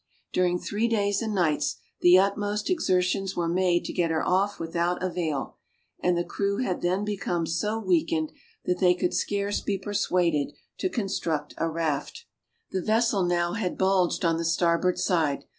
During three days and nights, the utmost exertions were made to get her off without avail, and the crew had then become so weakened that they could scarce be persuaded to construct a raft. The vessel now had bulged on the starboard side.